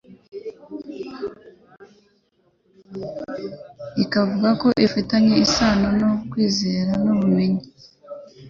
ikavuga ko ufitanye isano no kwizera n'ubumenyi